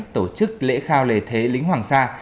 tổ chức lễ khao lề thế lính hoàng sa